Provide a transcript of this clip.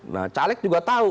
nah caleg juga tahu